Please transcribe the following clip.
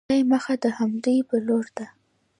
د خدای مخه د همدوی په لورې ده.